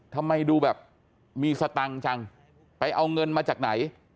ทำไมดูแบบมีสตังค์จังไปเอาเงินมาจากไหน